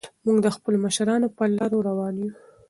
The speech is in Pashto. موږ د خپلو مشرانو په لارو روان یو.